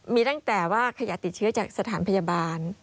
มีตั้งแต่ว่าขยะติดเชื้อจากสถานพยาบาล